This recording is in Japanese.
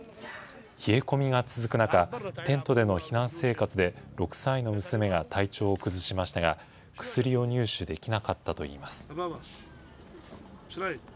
冷え込みが続く中、テントでの避難生活で、６歳の娘が体調を崩しましたが、薬を入手できなかったといいます。